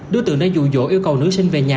đối tượng đã dụ dỗ yêu cầu nữ sinh về nhà